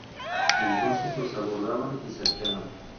Entonces los abordaban y saqueaban.